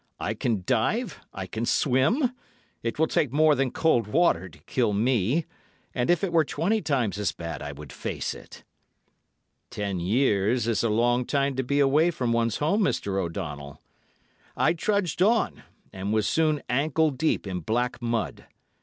'I can dive, I can swim; it will take more than cold water to kill me; and if it were twenty times as bad I would face it.' Ten years is a long time to be away from one's home, Mr. O'Donnell. I trudged on, and was soon ankle deep in black mud.